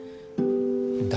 誰？